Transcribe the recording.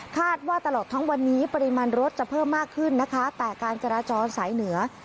ตลอดทั้งวันนี้ปริมาณรถจะเพิ่มมากขึ้นนะคะแต่การจราจรสายเหนือ